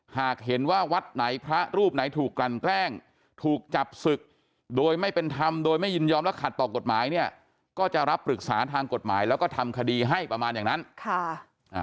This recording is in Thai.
หากเห็นว่าวัดไหนพระรูปไหนถูกกลั่นแกล้งถูกจับศึกโดยไม่เป็นธรรมโดยไม่ยินยอมและขัดต่อกฎหมายเนี่ยก็จะรับปรึกษาทางกฎหมายแล้วก็ทำคดีให้ประมาณอย่างนั้นค่ะอ่า